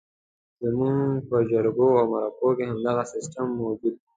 زموږ پر جرګو او مرکو کې همدغه سیستم موجود وو.